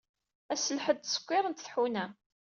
Ass n lḥedd ttsekkiṛent tḥuna.